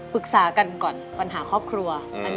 ปรึกษากันก่อนปัญหาครอบครัว